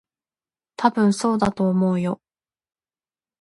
たぶん、そうだと思うよ。